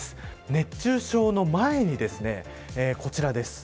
熱中症の前にこちらです。